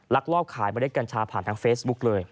ลอบขายเมล็ดกัญชาผ่านทางเฟซบุ๊กเลย